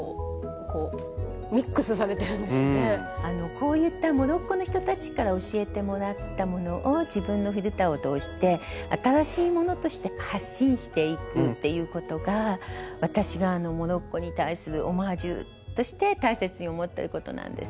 こういったモロッコの人たちから教えてもらったものを自分のフィルターを通して新しいものとして発信していくっていうことが私がモロッコに対するオマージュとして大切に思ってることなんです。